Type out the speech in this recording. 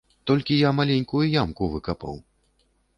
Толькі я маленькую ямку выкапаў.